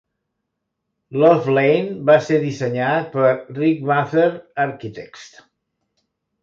Love Lane va ser dissenyat per Rick Mather Architects.